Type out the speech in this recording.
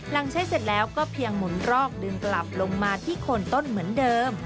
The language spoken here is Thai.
หลังใช้เสร็จแล้วก็เพียงหมุนรอกดึงกลับลงมาที่โคนต้นเหมือนเดิม